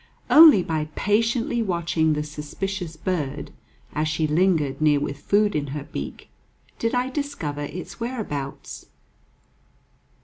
Only by patiently watching the suspicious bird, as she lingered near with food in her beak, did I discover its whereabouts.